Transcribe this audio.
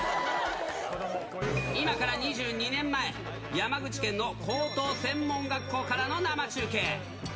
今から２２年前、山口県の高等専門学校からの生中継。